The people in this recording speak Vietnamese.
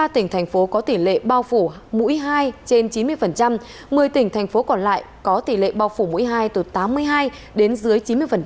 ba mươi tỉnh thành phố có tỷ lệ bao phủ mũi hai trên chín mươi một mươi tỉnh thành phố còn lại có tỷ lệ bao phủ mũi hai từ tám mươi hai đến dưới chín mươi